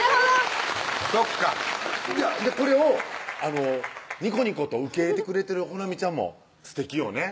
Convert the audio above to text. そっかこれをニコニコと受け入れてくれてる穂南ちゃんもすてきよね